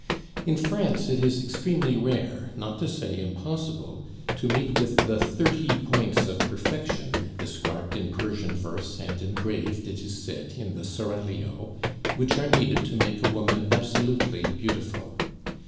In France it is extremely rare, not to say impossible, to meet with the thirty points of perfection, described in Persian verse, and engraved, it is said, in the Seraglio, which are needed to make a woman absolutely beautiful.